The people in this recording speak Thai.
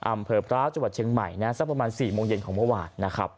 อำเภอพระเจาะเชียงใหม่สักประมาณ๔โมงเย็นของเมื่อวาน